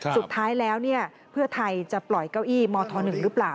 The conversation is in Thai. สุดท้ายแล้วเพื่อไทยจะปล่อยเก้าอี้มธ๑หรือเปล่า